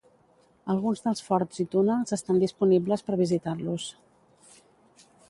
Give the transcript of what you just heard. Alguns dels forts i túnels estan disponibles per visitar-los.